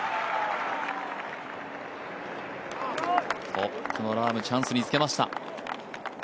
トップのラーム、チャンスにつけました。